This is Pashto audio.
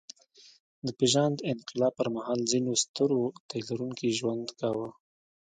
د پېژاند انقلاب پر مهال ځینو سترو تيلرونکي ژوند کاوه.